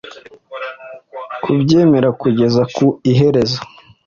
kubyemera kugeza ku iherezo